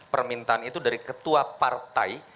permintaan itu dari ketua partai